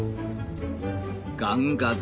ガンガゼ